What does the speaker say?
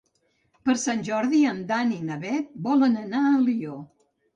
Per Sant Jordi en Dan i na Bet volen anar a Alió.